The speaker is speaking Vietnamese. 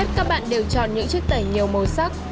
hầu hết các bạn đều chọn những chiếc tẩy nhiều màu sắc